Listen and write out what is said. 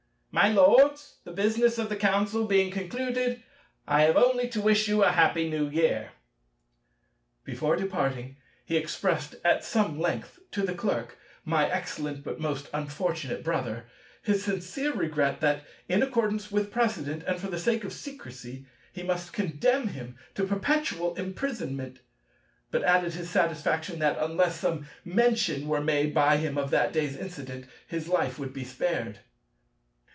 "My Lords, the business of the Council being concluded, I have only to wish you a happy New Year." Before departing, he expressed, at some length, to the Clerk, my excellent but most unfortunate brother, his sincere regret that, in accordance with precedent and for the sake of secrecy, he must condemn him to perpetual imprisonment, but added his satisfaction that, unless some mention were made by him of that day's incident, his life would be spared.